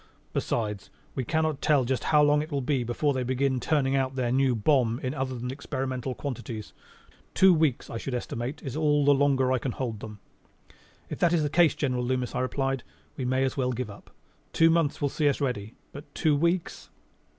Besides, we cannot tell just how long it will be before they begin turning out their new bomb in other than experimental quantities. Two weeks, I should estimate, is about all the longer I can hold them." "If that is the case, General Loomis," I replied, "we may as well give up. Two months will see us ready. But two weeks